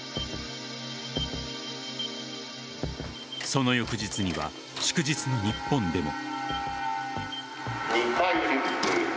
その翌日には祝日の日本でも。